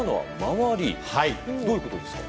どういうことですか？